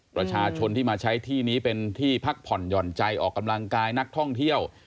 ประชาชนที่มาใช้ที่นี้เป็นที่พักผ่อนหย่อนใจออกกำลังกายนักท่องเที่ยว